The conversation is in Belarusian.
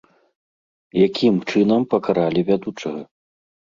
Якім чынам пакаралі вядучага?